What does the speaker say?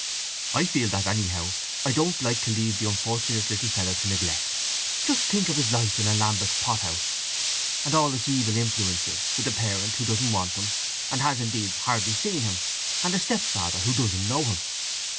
"I feel that, anyhow, I don't like to leave the unfortunate little fellow to neglect. Just think of his life in a Lambeth pothouse, and all its evil influences, with a parent who doesn't want him, and has, indeed, hardly seen him, and a stepfather who doesn't know him.